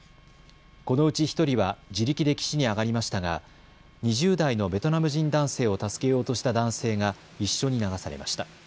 このうち１人は自力で岸に上がりましたが２０代のベトナム人男性を助けようとした男性が一緒に流されました。